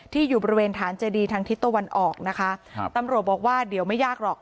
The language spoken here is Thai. อยู่บริเวณฐานเจดีทางทิศตะวันออกนะคะครับตำรวจบอกว่าเดี๋ยวไม่ยากหรอก